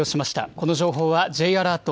この情報はＪアラート